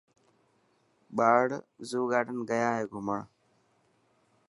ٻاڙ زو گارڊن گيا هي گھمڻ.